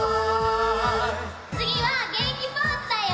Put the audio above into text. つぎはげんきポーズだよ！